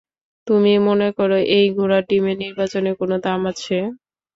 তুমি মনে করো এই ঘোড়ার ডিমের নির্বাচনের কোনো দাম আছে?